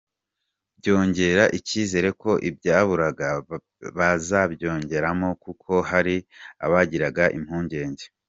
Byongera icyizere ko ibyaburaga bazabyongeramo kuko hari abagiraga impungenge.